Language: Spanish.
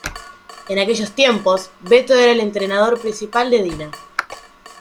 En aquellos tiempos Beto era el entrenador principal del Dina.